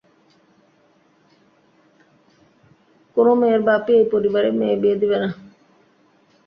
কোন মেয়ের বাপ-ই এই পরিবারে মেয়ে বিয়ে দিবে না।